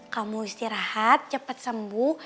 kamu istirahat cepet sembuh